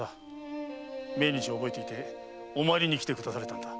命日を覚えていてお参りに来てくだされたのだ。